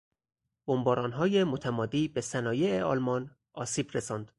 بمبارانهای متمادی به صنایع آلمان آسیب رساند.